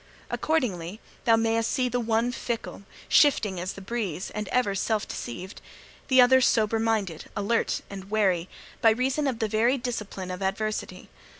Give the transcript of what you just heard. Accordingly, thou mayst see the one fickle, shifting as the breeze, and ever self deceived; the other sober minded, alert, and wary, by reason of the very discipline of adversity.